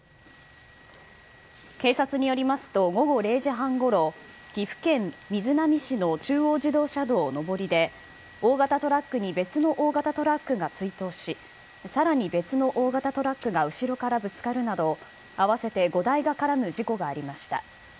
警察によりますと午後０時半ごろ岐阜県瑞浪市の中央自動車道上りで大型トラックに別の大型トラックが追突し更に別の大型トラックが後ろからぶつかるなど合わせて５台が絡む事故がありました。